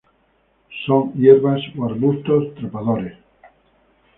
Son hierbas, arbustos o trepadoras.